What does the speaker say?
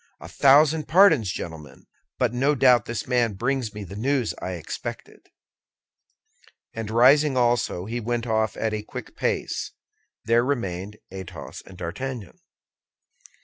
"A thousand pardons, gentlemen; but no doubt this man brings me the news I expected." And rising also, he went off at a quick pace. There remained Athos and D'Artagnan.